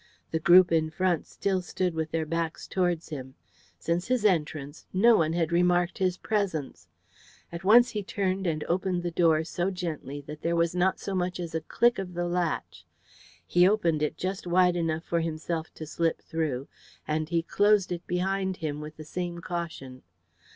The group in front still stood with their backs towards him. Since his entrance no one had remarked his presence. At once he turned and opened the door so gently that there was not so much as a click of the latch. He opened it just wide enough for himself to slip through, and he closed it behind him with the same caution.